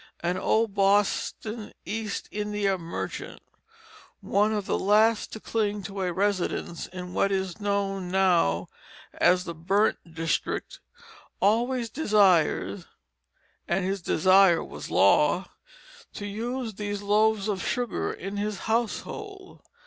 An old Boston East India merchant, one of the last to cling to a residence in what is known now as the "Burnt District," always desired (and his desire was law) to use these loaves of sugar in his household.